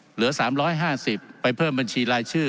เหลือ๓๕๐ไปเพิ่มบัญชีรายชื่อ